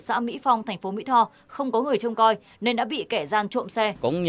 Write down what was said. sả mỹ phong tp mỹ tho không có người trông coi nên đã bị kẻ gian trộm xe